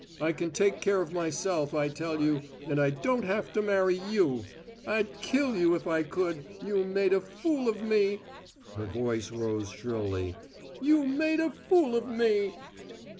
I can take care of myself, I tell you; and I don't have to marry you! I'd kill you if I could you made a fool of me!" Her voice rose shrilly. "You made a fool of me!"